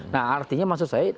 nah artinya maksud saya